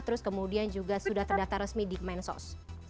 terus kemudian juga sudah terdaftar resmi di kementerian sosial pertama